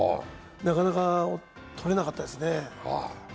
なかなかとれなかったですね。